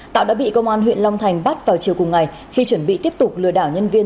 tạo đã bị công an huyện long thành bắt vào chiều cùng ngày khi chuẩn bị tiếp tục lừa đảo nhân viên